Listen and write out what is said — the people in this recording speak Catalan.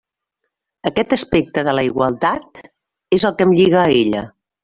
Aquest aspecte de la igualtat és el que em lliga a ella.